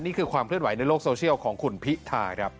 นี่คือความเคลื่อนไหวในโลกโซเชียลของคุณพิธาครับ